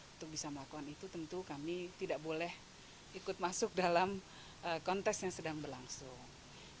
untuk bisa melakukan itu tentu kami tidak boleh ikut masuk dalam kontes yang sedang berlangsung